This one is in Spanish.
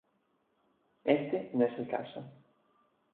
Este no es el caso.